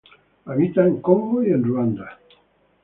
Habita en Congo y Ruanda.